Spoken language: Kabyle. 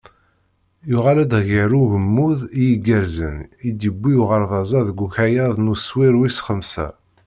Yuɣal-d ɣer ugemmuḍ i igerrzen i d-yewwi uɣerbaz-a deg ukayad n uswir wis xemsa.